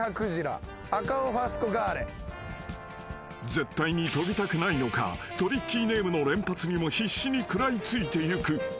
［絶対にとびたくないのかトリッキーネームの連発にも必死に食らい付いてゆく］